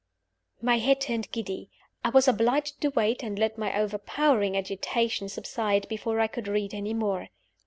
My head turned giddy. I was obliged to wait and let my overpowering agitation subside, before I could read any more.